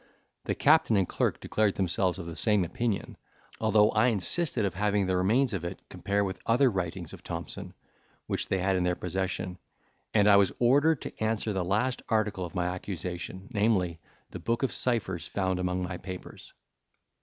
The captain and clerk declared themselves of the same opinion, although I insisted of having the remains of it compared with other writings of Thompson, which they had in their possession; and I was ordered to answer the last article of my accusation, namely, the book of ciphers found among my papers.